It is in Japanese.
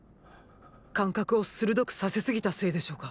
感覚を鋭くさせすぎたせいでしょうか。